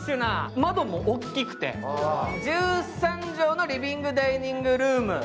窓も大きくて、１３畳のリビングダイニングルーム。